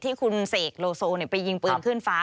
ที่คุณเสกโลโซไปยิงปืนขึ้นฟ้า